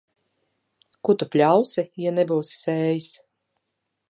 Ko tu pļausi, ja nebūsi sējis.